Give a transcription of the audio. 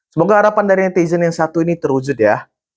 semoga harapan dari netizen yang satu ini terwujud ya